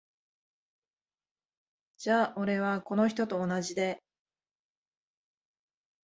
じゃ俺は、この人と同じで。